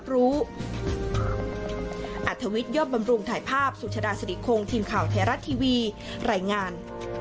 แรงงาน